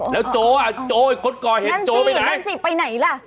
แล้วโจ๊ะโจ๊ยกดก่อเห็นโจ๊ยไปไหนนั่นสินั่นสิไปไหนล่ะ